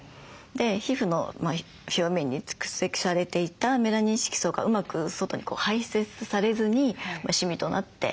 で皮膚の表面に蓄積されていたメラニン色素がうまく外に排出されずにシミとなって残る。